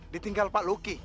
ditinggal pak luki